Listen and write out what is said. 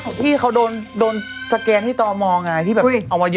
พี่พี่เขาโดนสแกนที่ต่อมอลไงที่แบบเอามาเยอะ